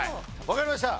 わかりました。